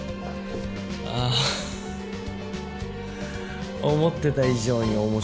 ああ思ってた以上に面白い事件。